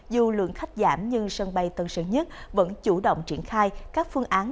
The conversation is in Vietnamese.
dù lượng khách giảm nhưng sân bay tân sơn nhất vẫn chủ động triển khai các phương án